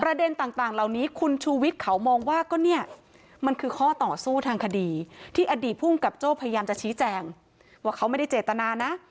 ต่างเหล่านี้คุณชูวิทย์เขามองว่าก็เนี่ยมันคือข้อต่อสู้ทางคดีที่อดีตภูมิกับโจ้พยายามจะชี้แจงว่าเขาไม่ได้เจตนานะ